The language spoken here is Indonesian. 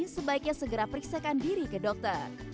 sebaiknya segera periksakan diri ke dokter